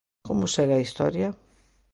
Como segue a historia?